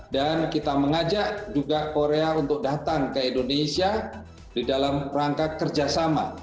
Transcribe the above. dan kita mengajak juga korea untuk datang ke indonesia di dalam rangka kerjasama